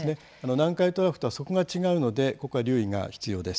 南海トラフとはそこが違うのでここは留意が必要です。